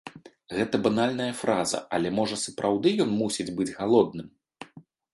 Гэта банальная фраза, але, можа, сапраўды ён мусіць быць галодным.